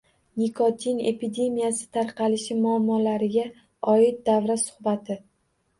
Nikotin epidemiyasi tarqalishi muammolariga oid davra suhbati